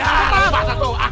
tidak tidak tidak